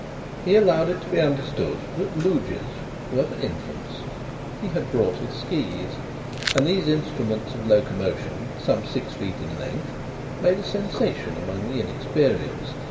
He allowed it to be understood that luges were for infants. He had brought his skis, and these instruments of locomotion, some six feet in length, made a sensation among the inexperienced.